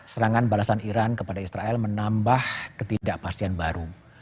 serangan balasan iran kepada israel menambah ketidakpastian baru